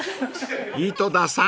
［井戸田さん